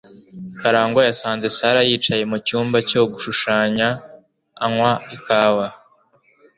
Karangwa yasanze Sarah yicaye mucyumba cyo gushushanya anywa ikawa.